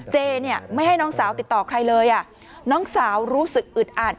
เจเนี่ยไม่ให้น้องสาวติดต่อใครเลยอ่ะน้องสาวรู้สึกอึดอัด